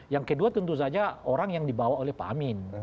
yang kedua tentu saja orang yang dibawa oleh pak amin